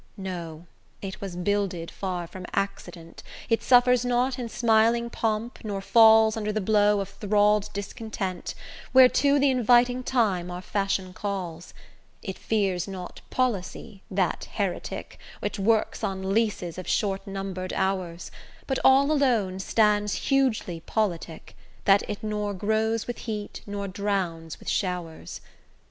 No, it was builded far from accident; It suffers not in smiling pomp, nor falls Under the blow of thralled discontent, Whereto th' inviting time our fashion calls: It fears not policy, that heretic, Which works on leases of short number'd hours, But all alone stands hugely politic, That it nor grows with heat, nor drowns with showers.